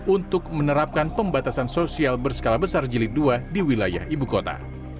untuk menerapkan pembatasan sosial berskala besar jilid dua di wilayah ibu kota